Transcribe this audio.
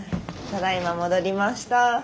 ただいま戻りました。